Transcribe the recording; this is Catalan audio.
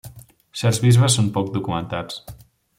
Certs bisbes són poc documentats.